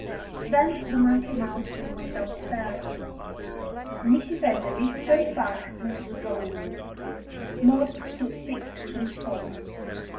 Then the man came out and went downstairs. Mrs. Enderby turned back into the drawing room. Maud stood fixed to the spot.